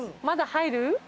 まだ入る？